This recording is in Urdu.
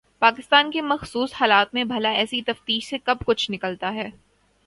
پاکستان کے مخصوص حالات میں بھلا ایسی تفتیشوں سے کب کچھ نکلتا ہے؟